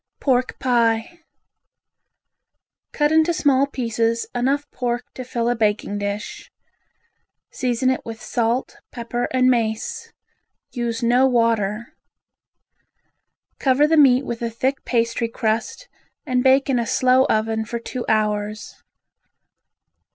Pork Pie Cut into small pieces enough pork to fill a baking dish. Season it with salt, pepper and mace. Use no water. Cover the meat with a thick pastry crust and bake in a slow oven for two hours.